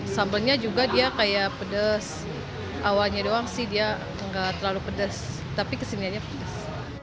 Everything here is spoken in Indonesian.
sambalnya juga dia kayak pedes awalnya doang sih dia nggak terlalu pedas tapi kesiniannya pedas